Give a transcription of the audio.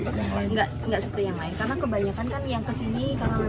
memang mereka membutuhkan untuk beli untuk korban